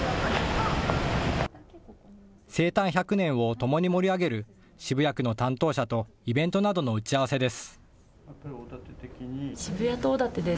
生誕１００年をともに盛り上げる渋谷区の担当者とイベントなどの打ち合わせです。